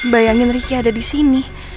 bayangin ricky ada di sini